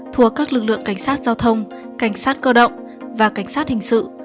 thuộc các lực lượng cảnh sát giao thông cảnh sát cơ động và cảnh sát hình sự